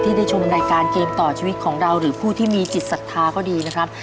ได้ชมรายการเกมต่อชีวิตของเราหรือผู้ที่มีจิตศรัทธาก็ดีนะครับ